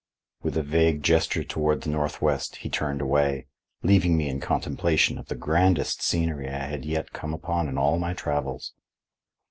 With a vague gesture toward the northwest, he turned away, leaving me in contemplation of the grandest scenery I had yet come upon in all my travels.